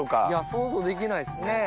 想像できないですね。